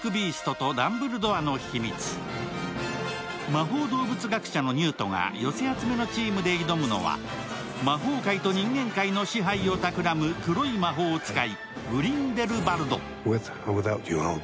魔法動物学者のニュートが寄せ集めのチームで挑むのは魔法界と人間界の支配を企む黒い魔法使い・グリンデルバルド。